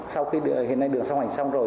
sau khi hiện nay đường song hành xong rồi